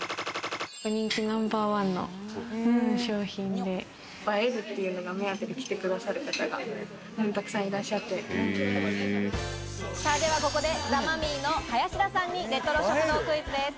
○○人気ナンバーワンの商品で、映えるっていうのが目当てで来て下さる方が、たくさんいらっしゃって、ではここで、ザ・マミィの林田さんにレトロ食堂クイズです。